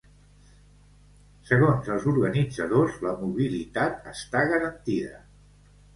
Segons els organitzadors, la mobilitat està garantida.